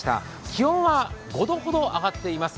気温は５度ほど上がっています。